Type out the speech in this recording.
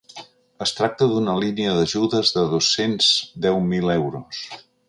Es tracta d’una línia d’ajudes de dos-cents deu mil euros.